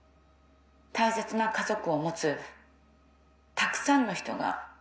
大切な家族を持つたくさんの人が集まってる。